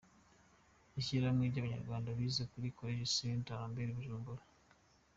– Ishyirahamwe ry’abanyarwanda bize kuri collège Saint Albert Bujumbura,